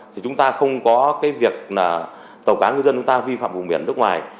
thì chúng ta không có việc tàu cá ngư dân vi phạm vùng biển nước ngoài